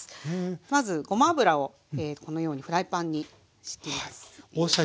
まずごま油をこのようにフライパンにしきます。